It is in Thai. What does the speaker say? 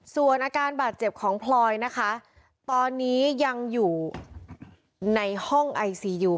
ส่วนอาการบาดเจ็บของพลอยนะคะตอนนี้ยังอยู่ในห้องไอซียู